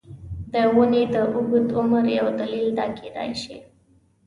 د ونې د اوږد عمر یو دلیل دا کېدای شي.